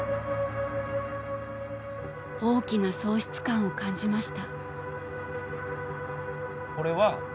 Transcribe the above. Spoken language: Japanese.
「大きな喪失感を感じました」。